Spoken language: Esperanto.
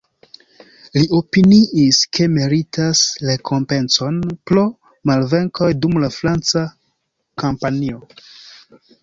Li opiniis, ke meritas rekompencon pro malvenkoj dum la franca kampanjo.